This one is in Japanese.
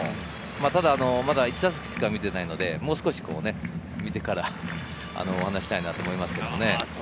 ただ１打席しか見ていないのでもう少し見てからお話したいと思います。